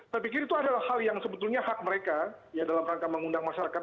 saya pikir itu adalah hal yang sebetulnya hak mereka dalam rangka mengundang masyarakat